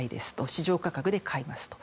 市場価格で買いますと。